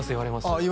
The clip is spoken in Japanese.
あっ